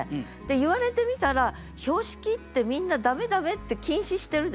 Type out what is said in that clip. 言われてみたら標識ってみんな駄目駄目って禁止してるでしょ。